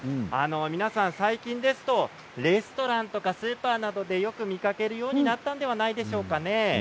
皆さん、最近ですとレストランとかスーパーなどでよく見かけるようになったんではないでしょうかね。